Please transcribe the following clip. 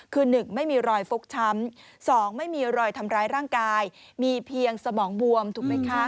คือ๑ไม่มีรอยฟกช้ำ๒ไม่มีรอยทำร้ายร่างกายมีเพียงสมองบวมถูกไหมคะ